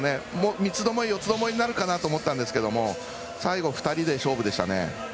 三つどもえ、四つどもえになるかなと思ったんですが最後、２人で勝負でした。